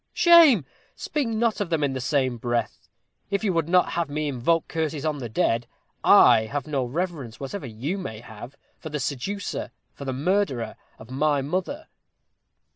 shame! Speak not of them in the same breath, if you would not have me invoke curses on the dead! I have no reverence whatever you may have for the seducer for the murderer of my mother."